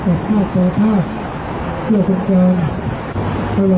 ข้างด้านข้างหนึ่งที่เกี่ยวข้างหนึ่ง